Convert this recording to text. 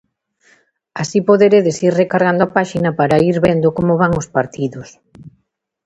Así poderedes ir recargando a páxina para ir vendo como van os partidos.